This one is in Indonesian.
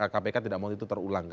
kpk tidak mau itu terulang